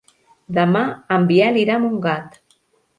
Demà en Biel irà a Montgat.